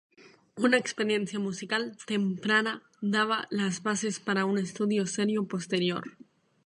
Una experiencia musical temprana daba las bases para un estudio serio posterior.